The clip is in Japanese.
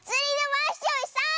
ワッショイさん！